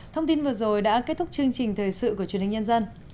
thông tin vừa rồi đã kết thúc chương trình thời sự của truyền hình nhân dân